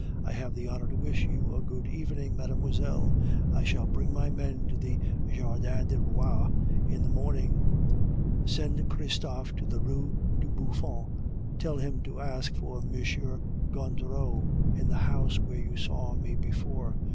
I have the honor to wish you a good evening, mademoiselle. I shall bring my men to the Jardin du Roi in the morning. Send Christophe to the Rue du Buffon, tell him to ask for M. Gondureau in the house where you saw me before.